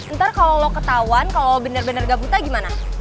ntar kalau lo ketahuan kalau lo bener bener gak buta gimana